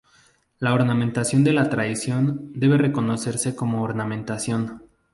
La ornamentación de la tradición, debe reconocerse como ornamentación.